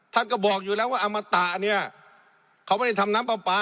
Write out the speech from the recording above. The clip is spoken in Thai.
ท่านก็บอกอยู่แล้วว่าอมตะเนี่ยเขาไม่ได้ทำน้ำปลาปลา